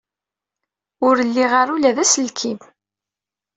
Ur liɣ ara ula d aselkim.